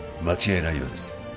間違いないようです